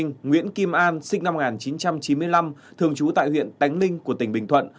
nguyễn kim an sinh năm một nghìn chín trăm chín mươi năm thường trú tại huyện tánh linh của tỉnh bình thuận